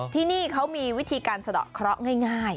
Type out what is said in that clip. ที่นี่เขามีวิธีการสะดอกเคราะห์ง่าย